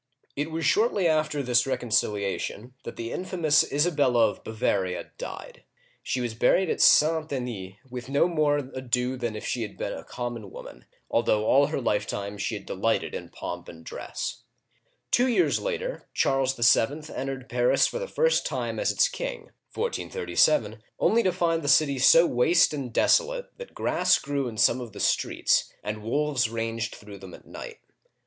It was shortly after this reconciliation that the infamous Isabella of Bavaria died. She was buried at St. Denis with no more ado than if she had been a common woman, although all her lifetime she had delighted in pomp and dress. • Digitized by Google CHARLES VII. (1422 1461) 199 Two years later Charles VII. entered Paris for the first time as its king (1437), only to find the city so waste and desolate that grass grew in some of the streets, and wolves ranged through them at night.